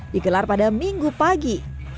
digelar pada minggu pagi